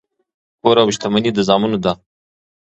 کور او شتمني د زامنو ده.